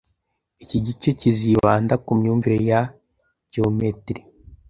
Iki gice kizibanda ku myumvire ya geometrie